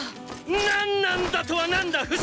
⁉何なんだとは何だフシ！